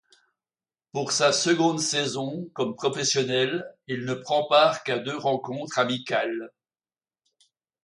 Pour sa seconde saison comme professionnel, il ne prend part qu'à deux rencontres amicales.